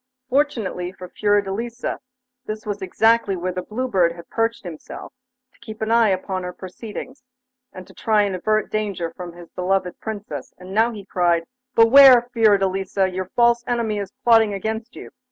Fortunately for Fiordelisa this was exactly where the Blue Bird had perched himself, to keep an eye upon her proceedings, and try to avert danger from his beloved Princess, and now he cried: 'Beware, Fiordelisa! Your false enemy is plotting against you.